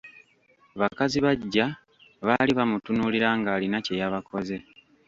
Bakazibaggya, baali bamutunuulira ng'alina kye yabakoze.